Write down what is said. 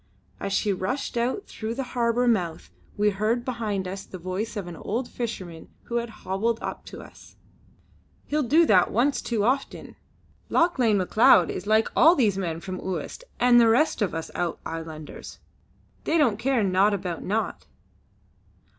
As she rushed out through the harbour mouth we heard behind us the voice of an old fisherman who had hobbled up to us: "He'll do that once too often! Lauchlane Macleod is like all these men from Uist and the rest of the Out Islanders. They don't care 'naught about naught.'"